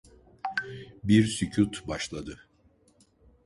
Bir sükût başladı.